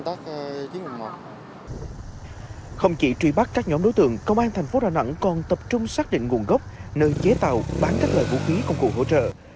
trong đối tượng công an tp đà nẵng còn tập trung xác định nguồn gốc nơi chế tạo bán các loại vũ khí công cụ hỗ trợ